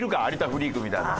フリークみたいなの。